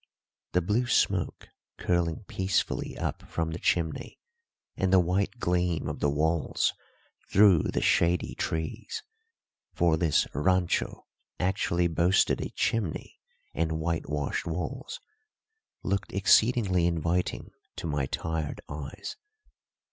The blue smoke curling peacefully up from the chimney and the white gleam of the walls through the shady trees for this rancho actually boasted a chimney and whitewashed walls looked exceedingly inviting to my tired eyes.